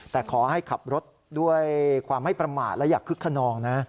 แต่ขอให้ขับรถด้วยความไม่ประมาทและอย่าคึกขนองนะ